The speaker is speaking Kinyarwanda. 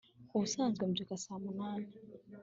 ubusanzwe mbyuka saa munani